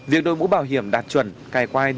việc đội mũ bảo hiểm đạt chuẩn cài quai đúng